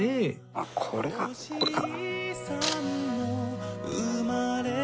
あっこれがこれか。